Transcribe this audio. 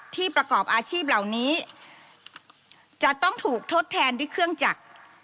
ประกอบอาชีพเหล่านี้จะต้องถูกทดแทนด้วยเครื่องจักร